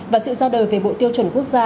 và sự ra đời về bộ tiêu chuẩn quốc gia